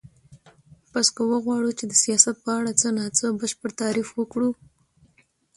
پس که وغواړو چی د سیاست په اړه څه نا څه بشپړ تعریف وکړو